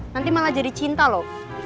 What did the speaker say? nanti malah jadi cinta loh